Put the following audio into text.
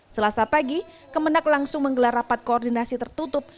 selasa pagi kemenang langsung menggelar rapat koordinasi tertutup